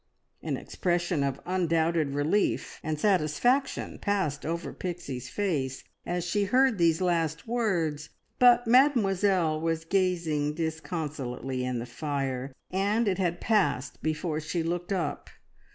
An expression of undoubted relief and satisfaction passed over Pixie's face as she heard these last words, but Mademoiselle was gazing disconsolately in the fire, and it had passed before she looked up.